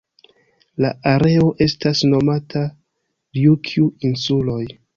La areo estas nomata Rjukju-insuloj.